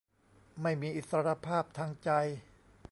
ไม่มีอิสรภาพทางใจ